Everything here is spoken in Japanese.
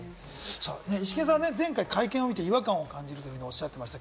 イシケンさんは前回、会見を見て違和感を感じているとおっしゃっていました。